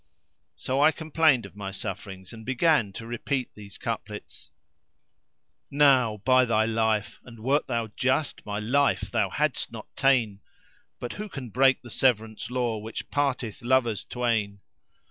So I complained of my sufferings and began to repeat these couplets:— "Now, by thy life and wert thou just my life thou hadst not ta'en, * But who can break the severance law which parteth lovers twain!